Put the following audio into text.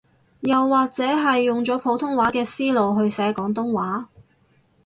又或者係用咗普通話嘅思路去寫廣東話